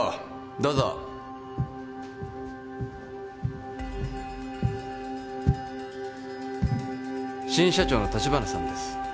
どうぞ新社長の橘さんです